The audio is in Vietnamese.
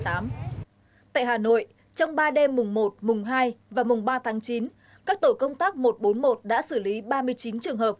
tại hà nội trong ba đêm mùng một mùng hai và mùng ba tháng chín các tổ công tác một trăm bốn mươi một đã xử lý ba mươi chín trường hợp